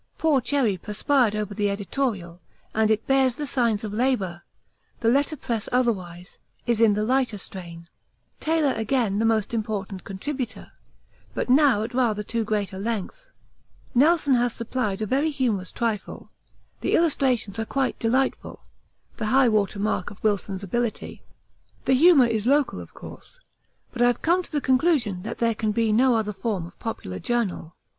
Poor Cherry perspired over the editorial, and it bears the signs of labour the letterpress otherwise is in the lighter strain: Taylor again the most important contributor, but now at rather too great a length; Nelson has supplied a very humorous trifle; the illustrations are quite delightful, the highwater mark of Wilson's ability. The humour is local, of course, but I've come to the conclusion that there can be no other form of popular journal.